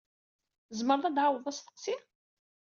Tzemreḍ ad d-tɛawdeḍ asteqsi?